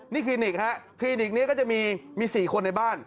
นี่คลินิกฮะคลินิกนี้ก็จะมี๔คนในบ้าน